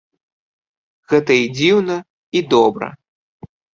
Гэта і дзіўна, і добра.